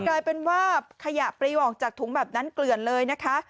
กลายเป็นว่าขยะปลีออกจากถุงแบบนั้นเกลือนเลยนะคะ